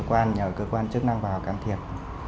và cơ quan chức năng vào càng thiệt